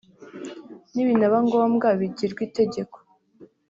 nibinaba ngombwa bigirwe itegeko